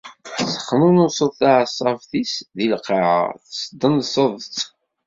Tessexnunseḍ taɛeṣṣabt-is di lqaɛa, tesdenseḍ-tt.